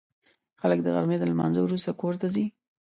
خلک د غرمې له لمانځه وروسته کور ته ځي